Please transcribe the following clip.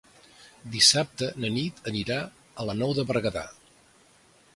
Dissabte na Nit anirà a la Nou de Berguedà.